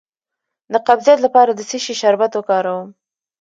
د قبضیت لپاره د څه شي شربت وکاروم؟